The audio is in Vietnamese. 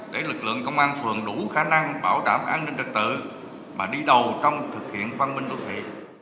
để lực lượng công an phường đủ khả năng bảo đảm an ninh trật tự mà đi đầu trong thực hiện văn minh đô thị